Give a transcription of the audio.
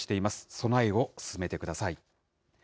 備えを進めてください。